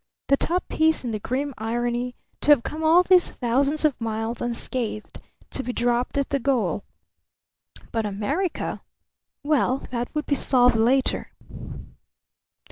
The top piece in the grim irony to have come all these thousands of miles unscathed, to be dropped at the goal. But America? Well, that would be solved later.